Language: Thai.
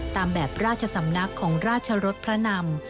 ตามแบบราชสำนักของราชรสพระนำ